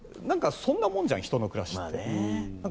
そんなもんじゃん人の暮らしって。